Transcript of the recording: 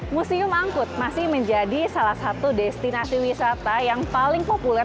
museum angkut masih menjadi salah satu destinasi wisata yang paling populer